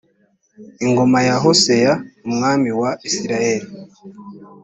ingoma ya hoseya umwami wa isirayeli